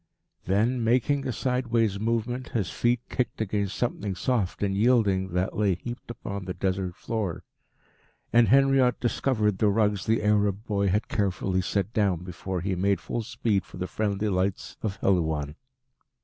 Then, making a sideways movement, his feet kicked against something soft and yielding that lay heaped upon the Desert floor, and Henriot discovered the rugs the Arab boy had carefully set down before he made full speed for the friendly lights of Helouan.